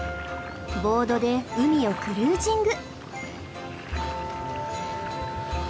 ボードで海をクルージング。